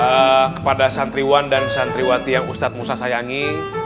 saya kepada santriwan dan santriwati yang ustadz musa sayangi